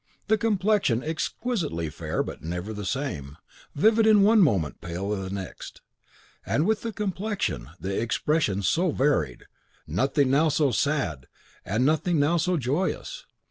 The complexion exquisitely fair, but never the same, vivid in one moment, pale the next. And with the complexion, the expression also varied; nothing now so sad, and nothing now so joyous.